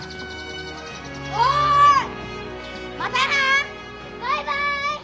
バイバイ！